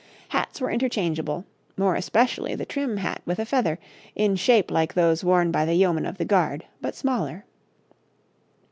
Hats were interchangeable, more especially the trim hat with a feather, in shape like those worn by the Yeoman of the Guard, but smaller.